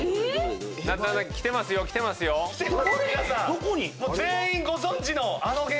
どこに？